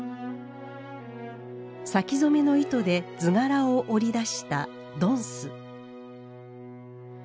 先染めの糸で図柄を織り出した緞子。